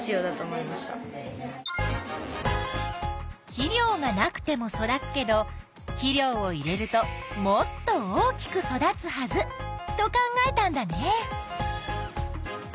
肥料がなくても育つけど肥料を入れるともっと大きく育つはずと考えたんだね。